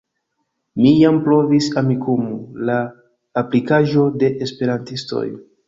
Mi jam provis Amikumu, la aplikaĵo de Esperantistoj.